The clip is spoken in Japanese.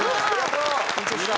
緊張した。